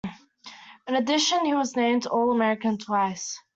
In addition he was named All-American twice.